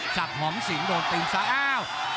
สับหอมสินโดนติ้งซ้ายอ้าว